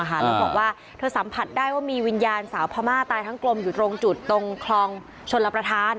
แล้วบอกว่าเธอสัมผัสได้ว่ามีวิญญาณสาวพม่าตายทั้งกลมอยู่ตรงจุดตรงคลองชนรับประทาน